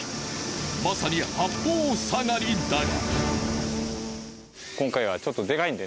まさに八方塞がりだが。